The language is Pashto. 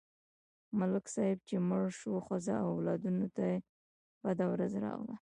ملک صاحب چې مړ شو، ښځه او اولادونه ته بده ورځ راغله.